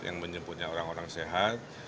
yang menyebutnya orang orang sehat